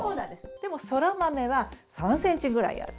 でもソラマメは３ｃｍぐらいある。